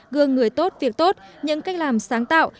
gương người tốt việc tốt những cách làm sáng tạo